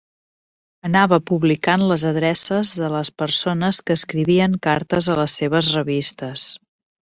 Anava publicant les adreces de les persones que escrivien cartes a les seves revistes.